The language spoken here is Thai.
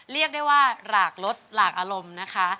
เรียกได้ว่าหลากลดหลากอารมณ์นะคะ